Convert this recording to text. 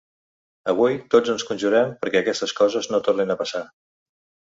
Avui tots ens conjurem perquè aquestes coses no tornen a passar.